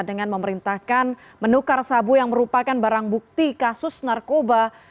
dengan memerintahkan menukar sabu yang merupakan barang bukti kasus narkoba